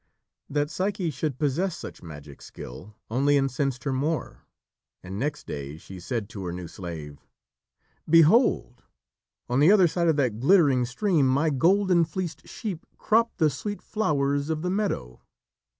That Psyche should possess such magic skill only incensed her more, and next day she said to her new slave: "Behold, on the other side of that glittering stream, my golden fleeced sheep crop the sweet flowers of the meadow.